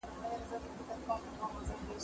دا انځورونه له هغه ښايسته دي